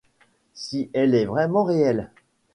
Si elle est vraiment réelle.